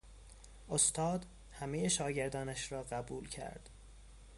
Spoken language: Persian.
استاد همهی شاگردان را قبول کرد.